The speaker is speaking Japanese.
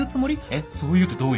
えっそういうってどういう？